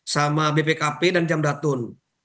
sama bpkp dan jamdatun